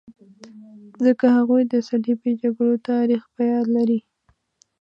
ځکه هغوی د صلیبي جګړو تاریخ په یاد لري.